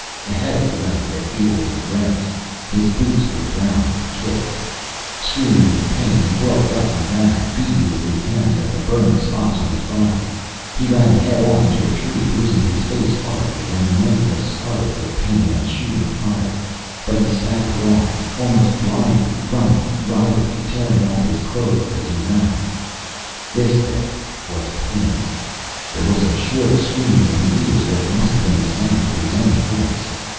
Ahead of the rank that ate away the grass. His boots were brown with kifs. Screaming with pain, he whirled about and ran, beating with his hands at the burning spots on his body. He ran head on into a tree, bruising his face horribly, and the night was scarlet with pain and shooting fire. But he staggered on, almost blindly, running, writhing, tearing off his clothes as he ran. This, then, was pain. There was a shrill screaming in his ears that must have been the sound of his own voice.